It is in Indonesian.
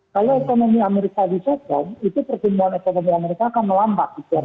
kalau ekonomi amerika di second itu pertumbuhan ekonomi amerika akan melambat